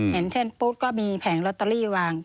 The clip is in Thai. เห็นเช่นปุ๊บก็มีแผงลอตเตอรี่วาง